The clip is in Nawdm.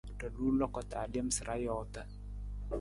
Ra luu loko ta lem sa ra joota.